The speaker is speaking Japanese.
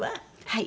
はい。